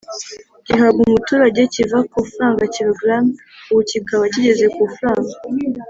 gihabwa umuturage kiva ku Frw kg ubu kikaba kigeze ku Frw